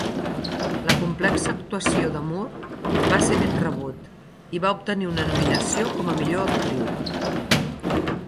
La complexa actuació de Moore va ser ben rebut i va obtenir una nominació com a millor actriu.